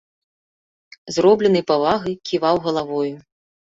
З робленай павагай ківаў галавою.